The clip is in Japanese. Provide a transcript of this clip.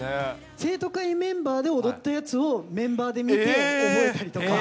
生徒会メンバーで踊ったやつを、メンバーで見て覚えたりとか。